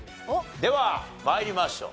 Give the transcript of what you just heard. では参りましょう。